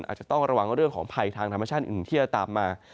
อาจจะต้องระวังเรื่องของภัยทางธรรมชาติอื่นที่จะตามมา